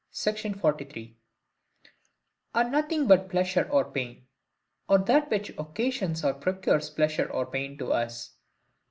Section 43,) are nothing but pleasure or pain, or that which occasions or procures pleasure or pain to us.